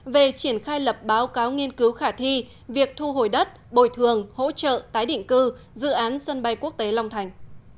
về triển khai lập báo cáo nghiên cứu khả thi việc thu hồi đất bồi thường hỗ trợ tái định cư dự án sân bay quốc tế long thành